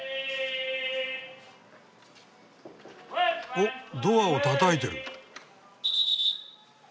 おっドアをたたいてる。